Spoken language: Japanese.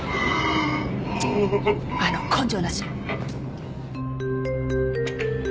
チッあの根性なし！